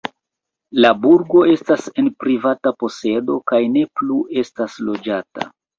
La burgo estas en privata posedo kaj ne plu estas loĝata.